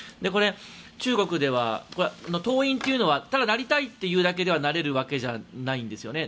中国の党員というのはただなりたいというわけではなれるんじゃないですよね。